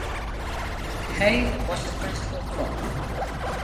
Hay was the principal crop.